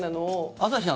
朝日さん